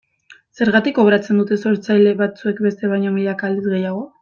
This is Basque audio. Zergatik kobratzen dute sortzaile batzuek bestek baino milaka aldiz gehiago?